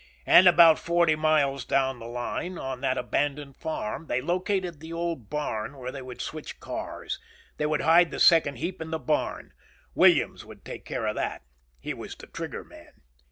And about forty miles down the line, on that abandoned farm, they located the old barn where they would switch cars. They would hide the second heap in the barn. Williams would take care of that. He was the trigger man.